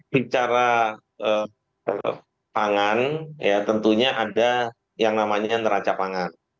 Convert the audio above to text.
bicara pangan ya tentunya ada yang namanya neraca pangan